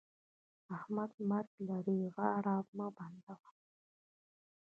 احمده! مرګ لرې؛ غاړه مه بندوه.